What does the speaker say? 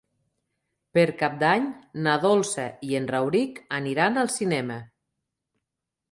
Per Cap d'Any na Dolça i en Rauric aniran al cinema.